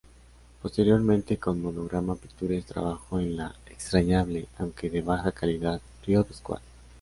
Posteriormente, con Monogram Pictures trabajó en la entrañable, aunque de baja calidad, "Riot Squad".